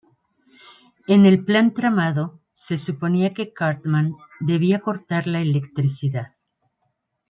En el plan tramado, se suponía que Cartman debía cortar la electricidad.